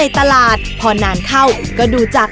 พี่ดาขายดอกบัวมาตั้งแต่อายุ๑๐กว่าขวบ